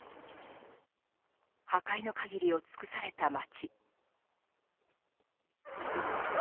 破壊の限りを尽くされた街。